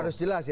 harus jelas ya